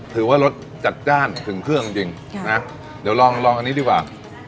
รสจัดจ้านถึงเครื่องจริงจริงนะเดี๋ยวลองลองอันนี้ดีกว่า